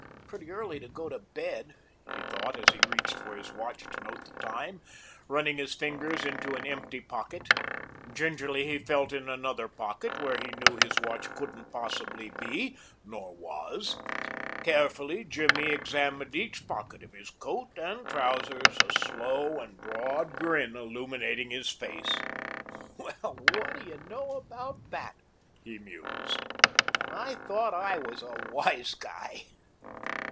"Pretty early to go to bed," he thought as he reached for his watch to note the time, running his fingers into an empty pocket. Gingerly he felt in another pocket, where he knew his watch couldn't possibly be, nor was. Carefully Jimmy examined each pocket of his coat and trousers, a slow and broad grin illumining his face. "What do you know about that?" he mused. "And I thought I was a wise guy."